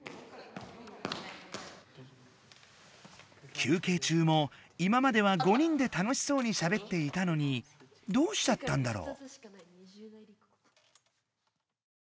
休けいちゅうも今までは５人で楽しそうにしゃべっていたのにどうしちゃったんだろう？